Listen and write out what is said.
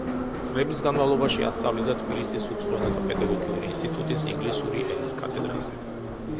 წლების განმავლობაში ასწავლიდა თბილისის უცხო ენათა პედაგოგიური ინსტიტუტის ინგლისური ენის კათედრაზე.